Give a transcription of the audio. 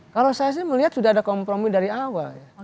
kalau saya sih melihat sudah ada kompromi dari awal ya